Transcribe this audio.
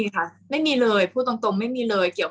กากตัวทำอะไรบ้างอยู่ตรงนี้คนเดียว